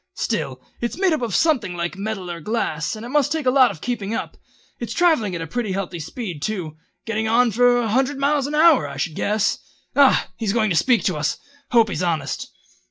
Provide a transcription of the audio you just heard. Still it's made of something like metal and glass, and it must take a lot of keeping up. It's travelling at a pretty healthy speed too. Getting on for a hundred miles an hour, I should guess. Ah! he's going to speak us! Hope he's honest."